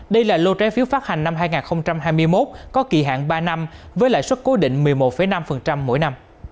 đây là lô trái phiếu phát hành năm hai nghìn hai mươi một có kỳ hạn ba năm với lãi suất cố định một mươi một năm mỗi năm